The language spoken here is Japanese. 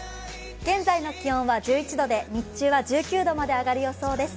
現在の気温は１１度で日中は１９度まで上がる予想です。